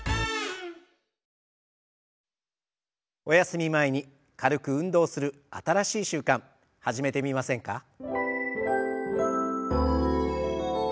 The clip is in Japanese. おやすみ前に軽く運動する新しい習慣始めてみませんか？